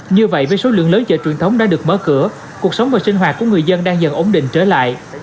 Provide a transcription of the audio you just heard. như vậy với số lượng lớn chợ truyền thống đã được mở cửa cuộc sống và sinh hoạt của người dân đang dần ổn định trở lại